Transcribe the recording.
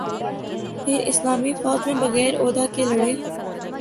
پھر اسلامی فوج میں بغیر عہدہ کے لڑے